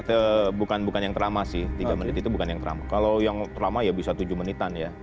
ya bukan bukan yang terlama sih tiga menit itu bukan yang kalau yang terlama ya bisa tujuh menitan ya